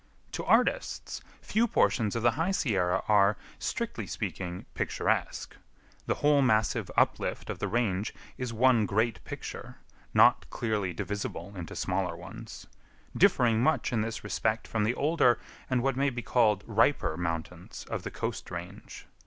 To artists, few portions of the High Sierra are, strictly speaking, picturesque. The whole massive uplift of the range is one great picture, not clearly divisible into smaller ones; differing much in this respect from the older, and what may be called, riper mountains of the Coast Range.